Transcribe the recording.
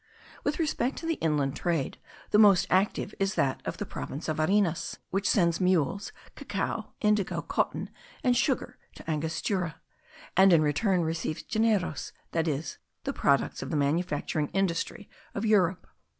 With respect to the inland trade, the most active is that of the province of Varinas, which sends mules, cacao, indigo, cotton, and sugar to Angostura; and in return receives generos, that is, the products of the manufacturing industry of Europe.